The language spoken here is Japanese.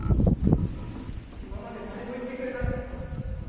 今まで誰も言ってくれなかった。